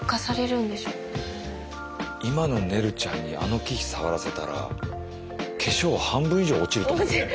今のねるちゃんにあの木触らせたら化粧半分以上落ちると思うよ。